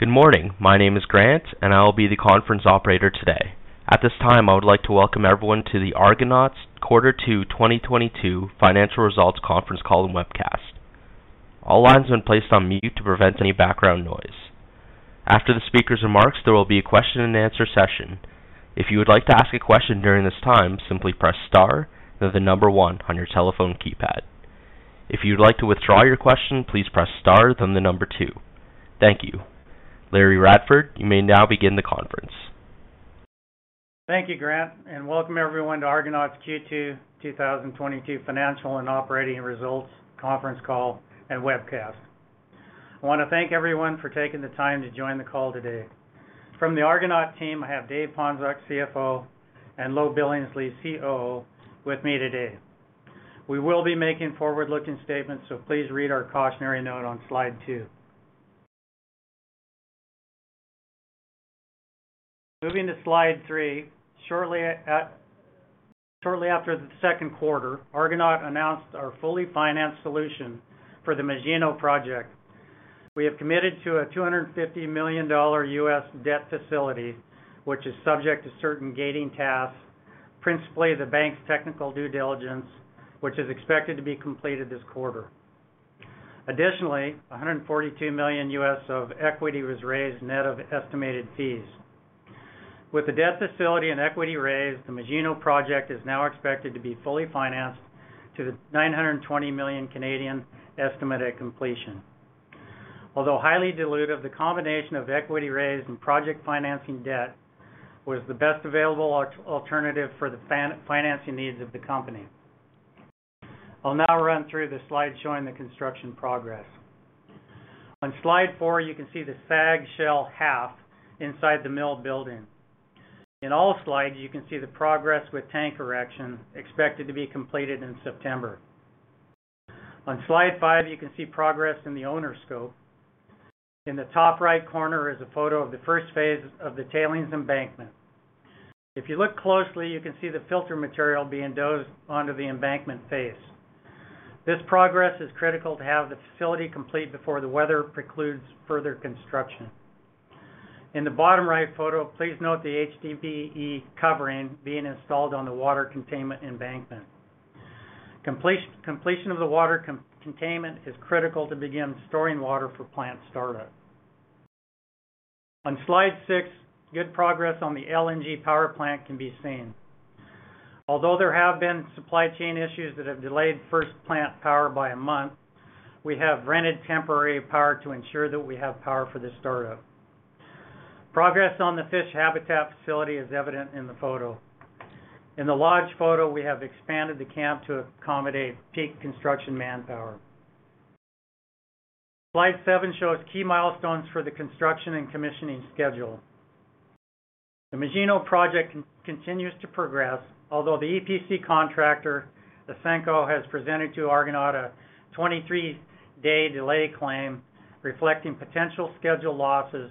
Good morning. My name is Grant, and I will be the conference operator today. At this time, I would like to welcome everyone to the Argonaut's Quarter Two 2022 Financial Results Conference Call and Webcast. All lines have been placed on mute to prevent any background noise. After the speaker's remarks, there will be a question and answer session. If you would like to ask a question during this time, simply press star then the number one on your telephone keypad. If you'd like to withdraw your question, please press star then the number two. Thank you. Larry Radford, you may now begin the conference. Thank you, Grant, and welcome everyone to Argonaut's Q2 2022 Financial and Operating Results Conference Call and Webcast. I wanna thank everyone for taking the time to join the call today. From the Argonaut team, I have David Ponczoch, CFO, and Lowe Billingsley, COO, with me today. We will be making forward-looking statements, so please read our cautionary note on slide two. Moving to slide three, shortly after the second quarter, Argonaut announced our fully financed solution for the Magino project. We have committed to a $250 million US debt facility, which is subject to certain gating tasks, principally the bank's technical due diligence, which is expected to be completed this quarter. Additionally, $142 million U.S. of equity was raised net of estimated fees. With the debt facility and equity raised, the Magino project is now expected to be fully financed to the 920 million estimate at completion. Although highly dilutive, the combination of equity raised and project financing debt was the best available alternative for the financing needs of the company. I'll now run through the slide showing the construction progress. On slide four, you can see the SAG shell half inside the mill building. In all slides, you can see the progress with tank erection expected to be completed in September. On slide five, you can see progress in the owner's scope. In the top right corner is a photo of the first phase of the tailings embankment. If you look closely, you can see the filter material being dozed onto the embankment phase. This progress is critical to have the facility complete before the weather precludes further construction. In the bottom right photo, please note the HDPE covering being installed on the water containment embankment. Completion of the water containment is critical to begin storing water for plant startup. On slide six, good progress on the LNG power plant can be seen. Although there have been supply chain issues that have delayed first plant power by a month, we have rented temporary power to ensure that we have power for the startup. Progress on the fish habitat facility is evident in the photo. In the large photo, we have expanded the camp to accommodate peak construction manpower. Slide seven shows key milestones for the construction and commissioning schedule. The Magino project continues to progress. Although the EPC contractor, Ausenco, has presented to Argonaut a 23-day delay claim reflecting potential schedule losses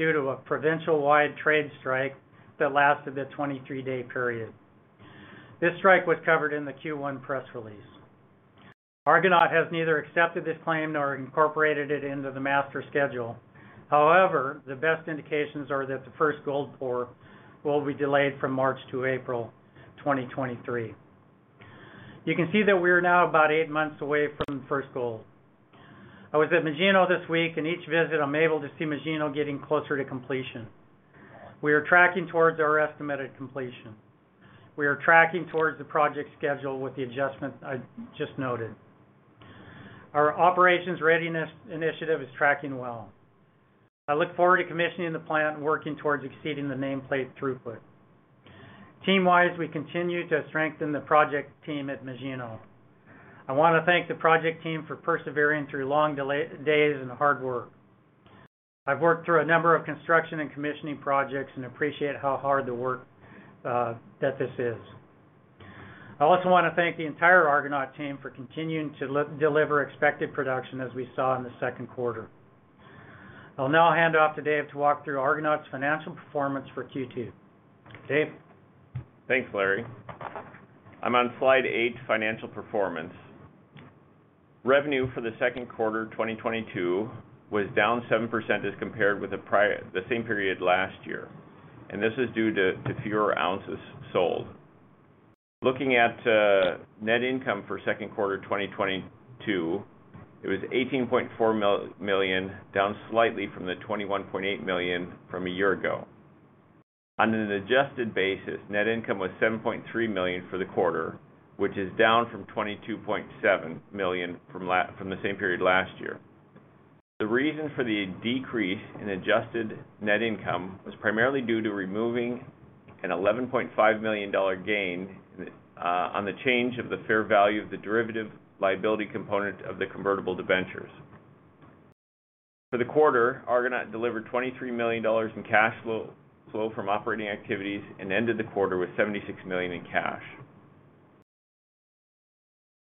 due to a province-wide trade strike that lasted the 23-day period. This strike was covered in the Q1 press release. Argonaut has neither accepted this claim nor incorporated it into the master schedule. However, the best indications are that the first gold pour will be delayed from March-April 2023. You can see that we're now about eight months away from first gold. I was at Magino this week. In each visit, I'm able to see Magino getting closer to completion. We are tracking towards our estimated completion. We are tracking towards the project schedule with the adjustment I just noted. Our operations readiness initiative is tracking well. I look forward to commissioning the plant and working towards exceeding the nameplate throughput. Team-wise, we continue to strengthen the project team at Magino. I wanna thank the project team for persevering through long days and hard work. I've worked through a number of construction and commissioning projects and appreciate how hard the work that this is. I also wanna thank the entire Argonaut team for continuing to deliver expected production as we saw in the second quarter. I'll now hand off to Dave to walk through Argonaut's financial performance for Q2. Dave? Thanks, Larry. I'm on slide eight, financial performance. Revenue for the second quarter 2022 was down 7% as compared with the same period last year, and this is due to fewer ounces sold. Looking at net income for second quarter 2022, it was $18.4 million, down slightly from the $21.8 million from a year ago. On an adjusted basis, net income was $7.3 million for the quarter, which is down from $22.7 million from the same period last year. The reason for the decrease in adjusted net income was primarily due to removing a $11.5 million gain on the change of the fair value of the derivative liability component of the convertible debentures. For the quarter, Argonaut delivered $23 million in cash flow from operating activities and ended the quarter with $76 million in cash.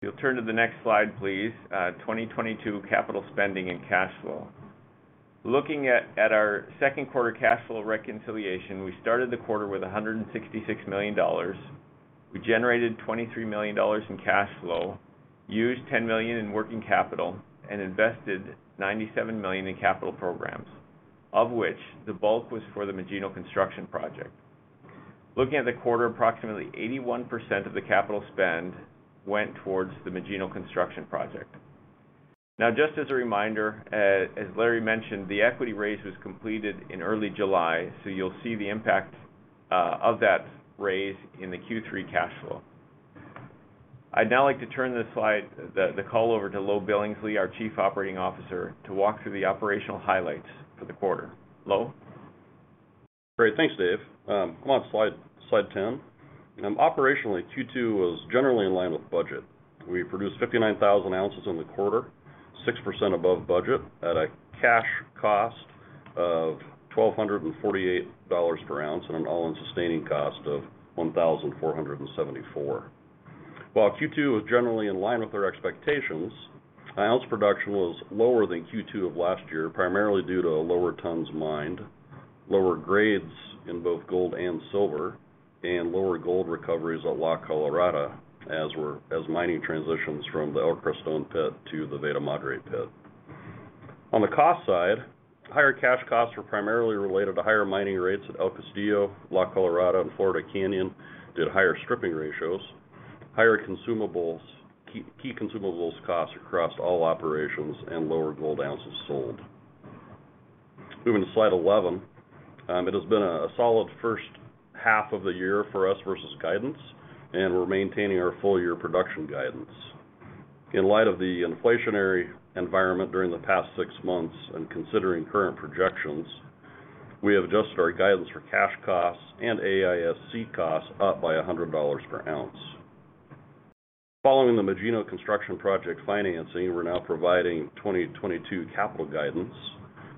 If you'll turn to the next slide, please, 2022 capital spending and cash flow. Looking at our second quarter cash flow reconciliation, we started the quarter with $166 million. We generated $23 million in cash flow, used $10 million in working capital, and invested $97 million in capital programs, of which the bulk was for the Magino construction project. Looking at the quarter, approximately 81% of the capital spend went towards the Magino construction project. Now, just as a reminder, as Larry mentioned, the equity raise was completed in early July, so you'll see the impact of that raise in the Q3 cash flow. I'd now like to turn this slide. The call over to Lowe Billingsley, our Chief Operating Officer, to walk through the operational highlights for the quarter. Lowe? Great. Thanks, Dave. Go on slide 10. Operationally, Q2 was generally in line with budget. We produced 59,000 ounces in the quarter, 6% above budget, at a cash cost of $1,248 per ounce and an all-in sustaining cost of $1,474. While Q2 was generally in line with our expectations, ounce production was lower than Q2 of last year, primarily due to lower tons mined, lower grades in both gold and silver, and lower gold recoveries at La Colorada, as mining transitions from the El Creston pit to the Veta Madre pit. On the cost side, higher cash costs were primarily related to higher mining rates at El Castillo, La Colorada and Florida Canyon, due to higher stripping ratios, higher consumables, key consumables costs across all operations, and lower gold ounces sold. Moving to slide 11. It has been a solid first half of the year for us versus guidance, and we're maintaining our full year production guidance. In light of the inflationary environment during the past six months and considering current projections, we have adjusted our guidance for cash costs and AISC costs up by $100 per ounce. Following the Magino construction project financing, we're now providing 2022 capital guidance.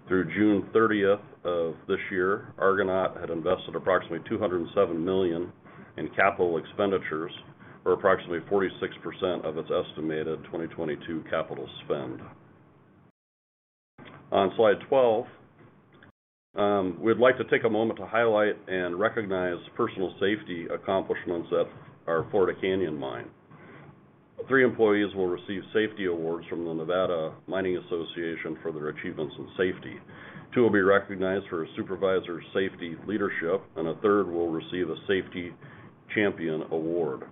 Through June 30th of this year, Argonaut had invested approximately $207 million in capital expenditures, or approximately 46% of its estimated 2022 capital spend. On slide 12, we'd like to take a moment to highlight and recognize personal safety accomplishments at our Florida Canyon mine. Three employees will receive safety awards from the Nevada Mining Association for their achievements in safety. Two will be recognized for supervisor safety leadership, and a third will receive a safety champion award.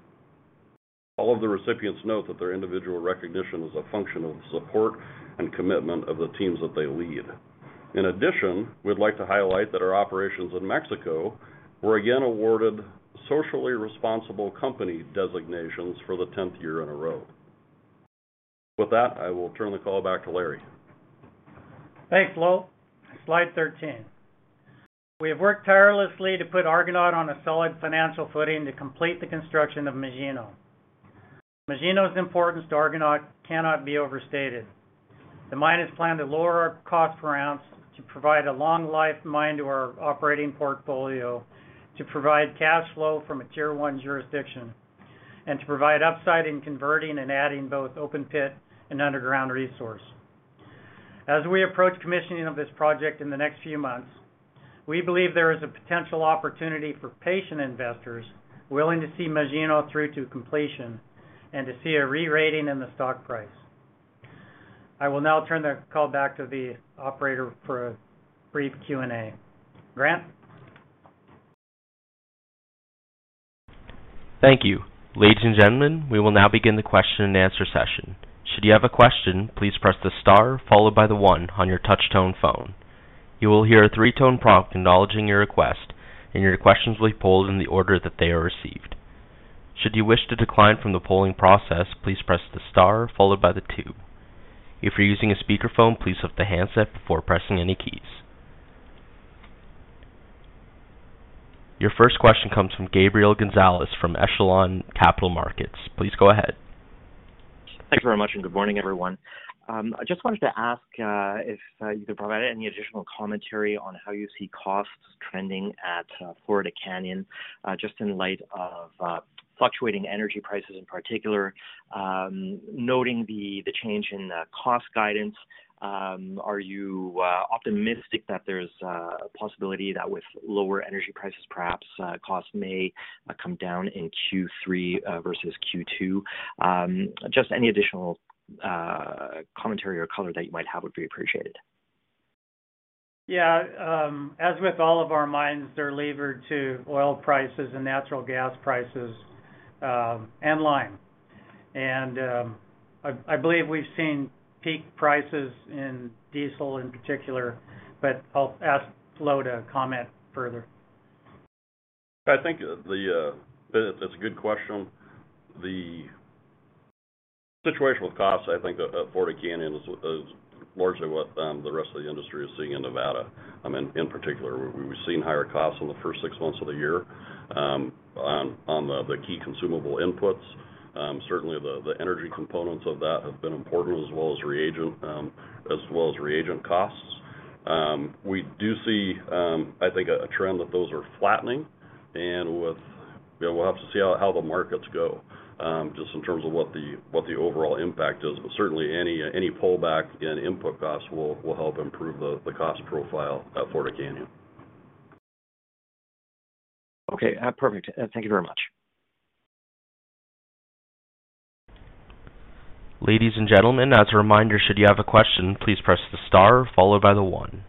All of the recipients note that their individual recognition is a function of the support and commitment of the teams that they lead. In addition, we'd like to highlight that our operations in Mexico were again awarded socially responsible company designations for the tenth year in a row. With that, I will turn the call back to Larry Radford. Thanks, Lowe. Slide 13. We have worked tirelessly to put Argonaut on a solid financial footing to complete the construction of Magino. Magino's importance to Argonaut cannot be overstated. The mine is planned to lower our cost per ounce to provide a long life mine to our operating portfolio, to provide cash flow from a Tier One jurisdiction, and to provide upside in converting and adding both open pit and underground resource. As we approach commissioning of this project in the next few months, we believe there is a potential opportunity for patient investors willing to see Magino through to completion and to see a re-rating in the stock price. I will now turn the call back to the operator for a brief Q&A. Grant? Thank you. Ladies and gentlemen, we will now begin the question and answer session. Should you have a question, please press the star followed by the one on your touch tone phone. You will hear a three-tone prompt acknowledging your request, and your questions will be polled in the order that they are received. Should you wish to decline from the polling process, please press the star followed by the two. If you're using a speakerphone, please lift the handset before pressing any keys. Your first question comes from Gabriel Gonzalez from Echelon Capital Markets. Please go ahead. Thank you very much, and good morning, everyone. I just wanted to ask if you could provide any additional commentary on how you see costs trending at Florida Canyon just in light of fluctuating energy prices in particular noting the change in cost guidance. Are you optimistic that there's a possibility that with lower energy prices perhaps costs may come down in Q3 versus Q2? Just any additional commentary or color that you might have would be appreciated. Yeah. As with all of our mines, they're levered to oil prices and natural gas prices, and lime. I believe we've seen peak prices in diesel in particular, but I'll ask Lowe to comment further. I think that's a good question. The situation with costs, I think, at Florida Canyon is largely what the rest of the industry is seeing in Nevada, in particular. We've seen higher costs in the first six months of the year on the key consumable inputs. Certainly the energy components of that have been important as well as reagent costs. We do see, I think, a trend that those are flattening. You know, we'll have to see how the markets go just in terms of what the overall impact is. Certainly any pullback in input costs will help improve the cost profile at Florida Canyon. Okay. Perfect. Thank you very much. Ladies and gentlemen, as a reminder, should you have a question, please press the star followed by the one.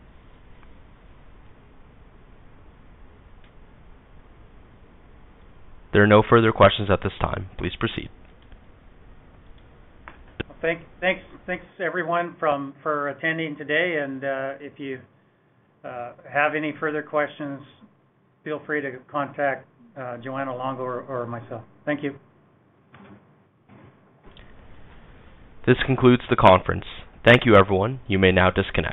There are no further questions at this time. Please proceed. Thanks everyone for attending today. If you have any further questions, feel free to contact Joanna Longo or myself. Thank you. This concludes the conference. Thank you, everyone. You may now disconnect.